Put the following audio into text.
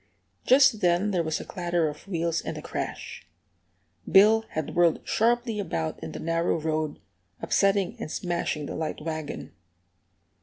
Just then there was a clatter of wheels and a crash. Bill had whirled sharply about in the narrow road, upsetting and smashing the light wagon.